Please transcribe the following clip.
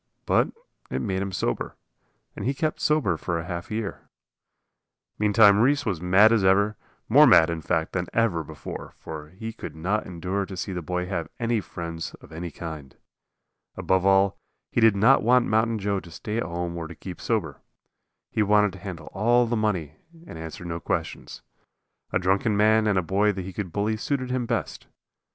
But it made him sober, and he kept sober for half a year. Meantime Reese was mad as ever, more mad, in fact, than ever before. For he could not endure to see the boy have any friends of any kind. Above all, he did not want Mountain Joe to stay at home or keep sober. He wanted to handle all the money and answer no questions. A drunken man and a boy that he could bully suited him best.